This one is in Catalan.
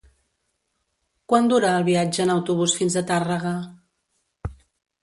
Quant dura el viatge en autobús fins a Tàrrega?